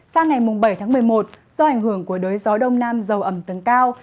sang ngày bảy tháng một mươi một do ảnh hưởng của đới gió đông nam dầu ẩm tương cao